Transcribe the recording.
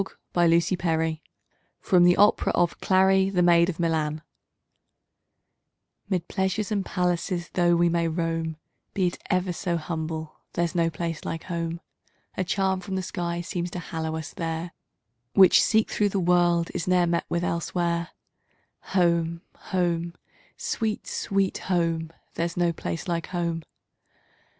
FANTASIA I The original theme as John Howard Payne wrote it: 'Mid pleasures and palaces though we may roam, Be it ever so humble, there's no place like home! A charm from the skies seems to hallow it there, Which, seek through the world, is not met with elsewhere. Home, home! Sweet, Sweet Home! There's no place like Home!